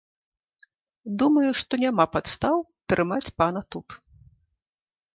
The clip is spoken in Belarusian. Думаю, што няма падстаў трымаць пана тут.